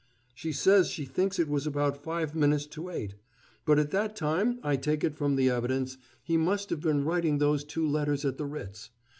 "She says she thinks it was about five minutes to eight. But at that time, I take it from the evidence, he must have been writing those two letters at the Ritz.